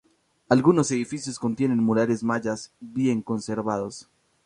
Algunos edificios contienen murales mayas bien conservados.